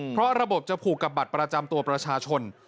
เพราะระบบจะผูกกับบัตรประจำตัวประชาชน